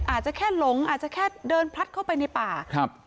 อาจจะแค่หลงอาจจะแค่เดินพลัดเข้าไปในป่าครับ